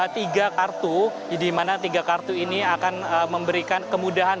tiga kartu di mana tiga kartu ini akan memberikan kemudahan